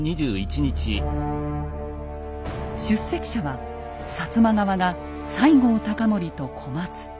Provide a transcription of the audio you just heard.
出席者は摩側が西郷隆盛と小松。